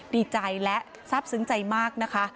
ดีใจและทราบซึ้งใจมากนะคะ